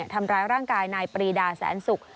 ทำร้ายร่างกายนายปรีดาแสนสุก